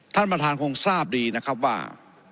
ท่านประธานคงทราบดีนะครับว่า